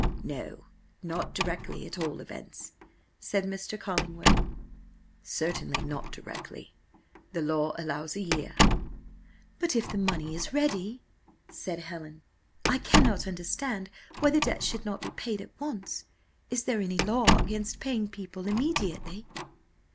"No, not directly, at all events," said Mr. Collingwood "certainly not directly: the law allows a year." "But if the money is ready," said Helen, "I cannot understand why the debt should not be paid at once. Is there any law against paying people immediately?"